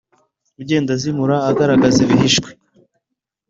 ugenda azimura agaragaza ibihishwe